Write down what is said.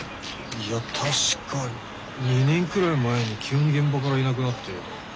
いや確か２年くらい前に急に現場からいなくなって。